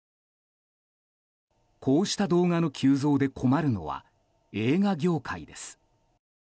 こうした動画の急増で困るのは映画業界です。